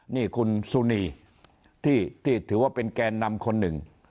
นี่คุณสุนีที่ถือว่าเป็นแกนนำคนหนึ่ง